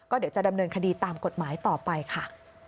เดี๋ยวจะดำเนินคดีตามกฎหมายต่อไปค่ะ